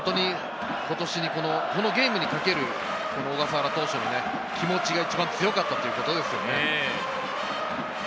このゲームにかける小笠原投手の気持ちが一番強かったということですね。